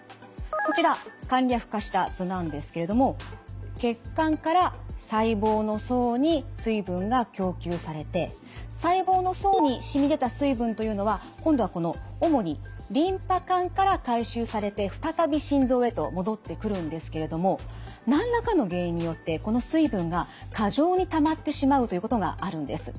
こちら簡略化した図なんですけれども血管から細胞の層に水分が供給されて細胞の層にしみ出た水分というのは今度はこの主にリンパ管から回収されて再び心臓へと戻ってくるんですけれども何らかの原因によってこの水分が過剰にたまってしまうということがあるんです。